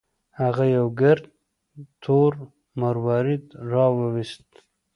هغه یو ګرد تور مروارید راوویست.